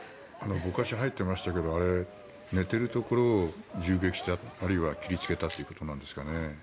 ぼかしが入っていましたけど寝ているところを銃撃したあるいは切りつけたということなんですかね。